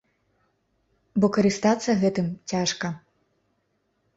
Бо карыстацца гэтым цяжка.